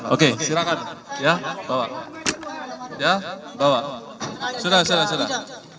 oke silakan ya bawa ya bawa sudah sudah sudah